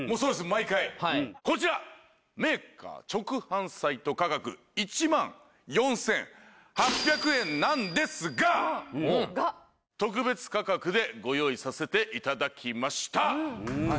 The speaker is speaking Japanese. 毎回こちらメーカー直販サイト価格１万４８００円なんですがが特別価格でご用意させていただきました